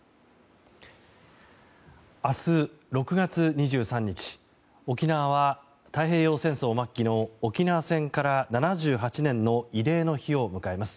明日、６月２３日沖縄は太平洋戦争末期の沖縄戦から７８年の慰霊の日を迎えます。